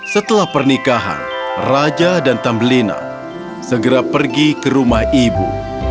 setelah pernikahan raja dan tambelina segera pergi ke rumah ibu